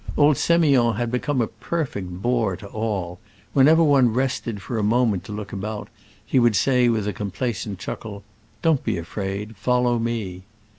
Old Semiond had become a perfect bore to all : whenever one rested for a moment to look about, he would say, with a complacent chuckle, Don't be afraid — follow me."